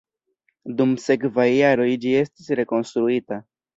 Dum sekvaj jaroj ĝi estis rekonstruita.